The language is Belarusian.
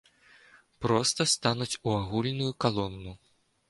Проста стануць у агульную калону.